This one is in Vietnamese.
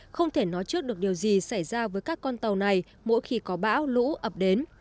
không thể nói trước được điều gì xảy ra với các con tàu này mỗi khi có bão lũ ập đến